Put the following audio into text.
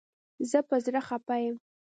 زه په زړه خپه یم